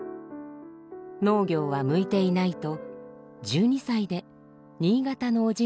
農業は向いていないと１２歳で新潟のおじに預けられます。